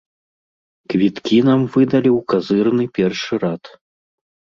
Квіткі нам выдалі ў казырны першы рад.